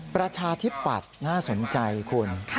ประชาธิปัตย์น่าสนใจคุณ